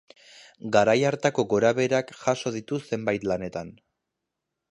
Garai hartako gorabeherak jaso ditu zenbait lanetan.